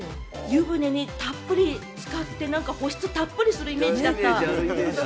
湯船にたっぷりつかって、保湿たっぷりするイメージ。